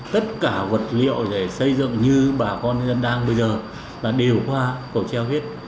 tất cả vật liệu để xây dựng như bà con nhân đang bây giờ là đều qua cầu treo hết